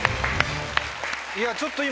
いやちょっと今。